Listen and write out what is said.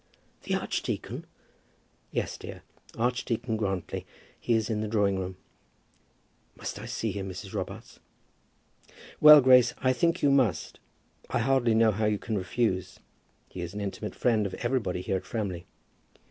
"The archdeacon?" "Yes, dear; Archdeacon Grantly. He is in the drawing room." "Must I see him, Mrs. Robarts?" "Well, Grace, I think you must. I hardly know how you can refuse. He is an intimate friend of everybody here at Framley."